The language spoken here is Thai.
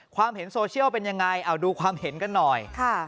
ความเห็นโซเชียลเป็นยังไงเอาดูความเห็นกันหน่อย